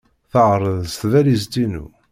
Terreẓ tbalizt-inu.